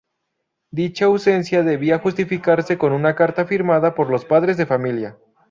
Dicha ausencia debía justificarse con una carta firmada por los padres de familia.